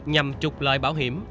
nhằm trục lợi bảo hiểm